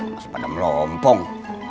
masih pada melompong